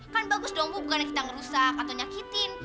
kan bagus dong bu bukan kita ngerusak atau nyakitin